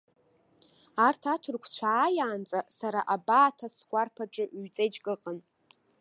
Арҭ аҭырқәцәа ааиаанӡа сара абааҭа сгәарԥ аҿы ҩ-ҵеџьк ыҟан.